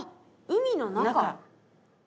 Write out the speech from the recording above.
海の中？